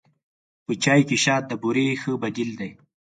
په چای کې شات د بوري ښه بدیل دی.